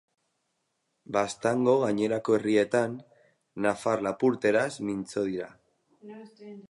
Baztango gainerako herrietan, nafar-lapurteraz mintzo dira.